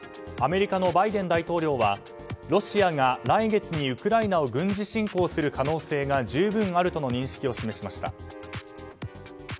アメリカのバイデン大統領はロシアが来月にウクライナを軍事侵攻する可能性が十分あるとの認識を示しました。